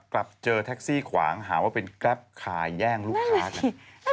กลับเจอแท็กซี่ขวางหาว่าเป็นแกรปคายแย่งลูกค้ากัน